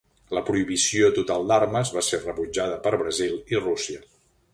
La prohibició total d'armes va ser rebutjada per Brasil i Rússia.